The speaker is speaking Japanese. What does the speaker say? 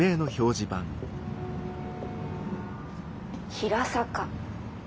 「平坂」。